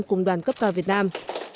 cùng đoàn cấp cao việt nam